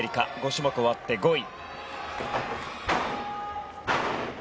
５種目終わって５位。